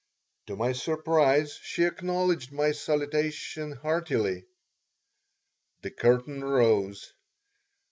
To my surprise, she acknowledged my salutation heartily The curtain rose.